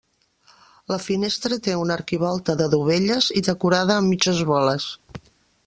La finestra té una arquivolta de dovelles i decorada amb mitges boles.